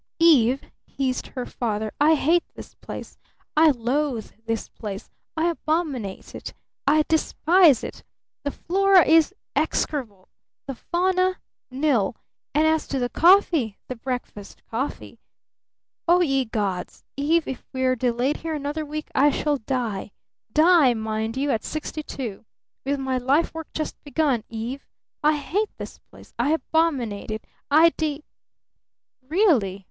"Eve!" hissed her father. "I hate this place! I loathe this place! I abominate it! I despise it! The flora is execrable! The fauna? Nil! And as to the coffee the breakfast coffee? Oh, ye gods! Eve, if we're delayed here another week I shall die! Die, mind you, at sixty two! With my life work just begun, Eve! I hate this place! I abominate it! I de " "Really?"